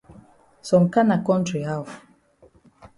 Some kana kontry how?